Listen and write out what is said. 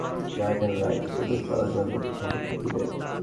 অন্ধকারটা বাড়তে থাকলে কোস্ট গার্ডের লাইটগুলো জ্বলজ্বল করতে থাকে একটু দূরেই।